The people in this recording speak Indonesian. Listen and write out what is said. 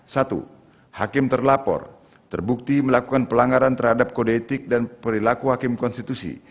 satu hakim terlapor terbukti melakukan pelanggaran terhadap kode etik dan perilaku hakim konstitusi